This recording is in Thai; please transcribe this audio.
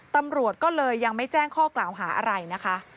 ตำรวจก็เลยยังไม่แจ้งข้อกล่าวหาอะไรนะคะ